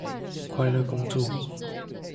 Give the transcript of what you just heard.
快樂工作